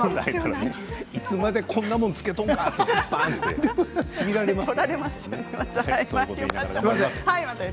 いつまでこんなもんつけてるって。